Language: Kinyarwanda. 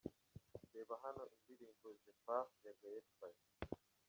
Reba hano indirimbo 'Je Pars' ya Gaël Faye .